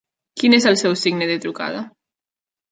Quin és el seu signe de trucada?